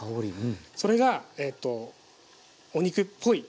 それがえっとお肉っぽい